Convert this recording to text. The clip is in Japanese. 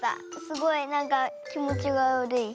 すごいなんかきもちがわるい。